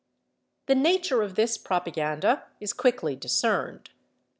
The nature of this propaganda is quickly discerned.